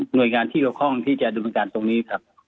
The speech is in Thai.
หน่วยงานที่เข้าข้องที่จะดุมันการณ์ตรงนี้ครับ